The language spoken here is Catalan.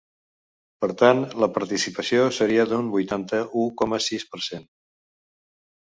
Per tant, la participació seria d’un vuitanta-u coma sis per cent.